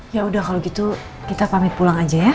ya udah kalau gitu kita pamit pulang aja ya